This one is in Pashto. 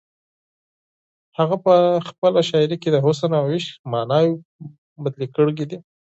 هغه په خپله شاعري کې د حسن او عشق ماناوې بدلې کړې دي.